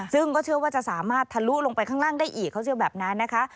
ซึ่งก็เชื่อว่าจะสามารถทะลุลงไปข้างล่างได้อีกเขาเชื่อแบบนั้นนะคะ